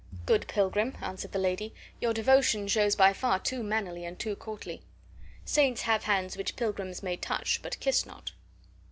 "Good pilgrim," answered the lady, "your devotion shows by far too mannerly and too courtly. Saints have hands which pilgrims may touch but kiss not."